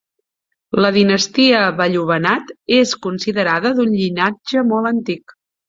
La dinastia Valluvanad és considerada d'un llinatge molt antic.